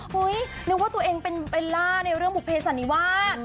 เฮ้ยนึกว่าตัวเองเป็นเวลาในเรื่องบุพเภสธรรณีวะ